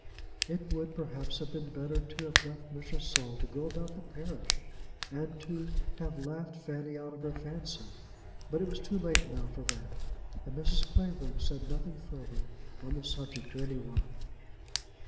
It would, perhaps, have been better to have left Mr. Saul to go about the parish, and to have laughed Fanny out of her fancy. But it was too late now for that, and Mrs. Clavering said nothing further on the subject to any one.